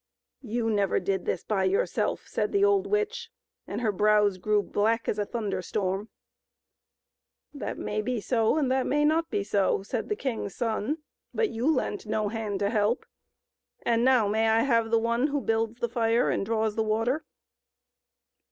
" You never did this by yourself !" said the old witch, and her brows grew as black as a thunder storm. " That may be so, and that may not be so," said the king's son, " but you lent no hand to help; so now may I have the one who builds the fire and draws the water?"